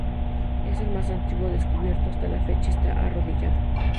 Es el más antiguo descubierto hasta la fecha y está arrodillado.